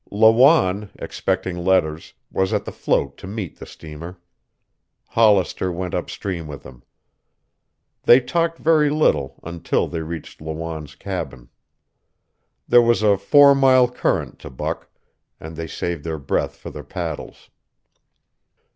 Lawanne, expecting letters, was at the float to meet the steamer. Hollister went up stream with him. They talked very little until they reached Lawanne's cabin. There was a four mile current to buck, and they saved their breath for the paddles.